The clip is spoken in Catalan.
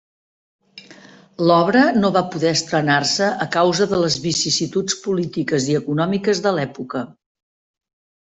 L'obra no va poder estrenar-se a causa de les vicissituds polítiques i econòmiques de l'època.